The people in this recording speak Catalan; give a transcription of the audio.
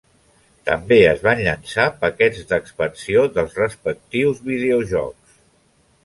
També es van llançar paquets d'expansió dels respectius videojocs.